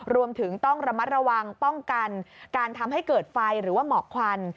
รวมถึงต้องระมัดระวังป้องกันการทำให้เกิดไฟหรือว่าหมอกควัน